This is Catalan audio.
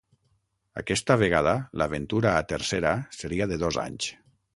Aquesta vegada l'aventura a Tercera seria de dos anys.